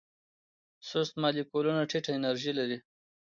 سست مالیکولونه ټیټه انرژي لري.